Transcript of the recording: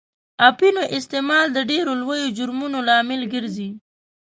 اپینو استعمال د ډېرو لویو جرمونو لامل ګرځي.